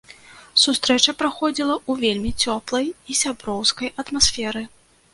Сустрэча праходзіла ў вельмі цёплай і сяброўскай атмасферы.